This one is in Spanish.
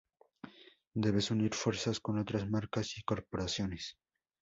Debes unir fuerzas con otras marcas y corporaciones.